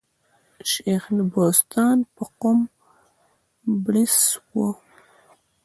شېخ بُستان په قوم بړیڅ وو.